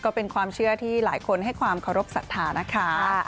ก็เป็นความเชื่อที่หลายคนให้ความเคารพสัทธานะคะ